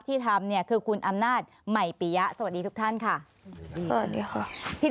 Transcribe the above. ที่ทำเนี่ยคือคุณอำนาจใหม่ปียะสวัสดีทุกท่านค่ะสวัสดีค่ะ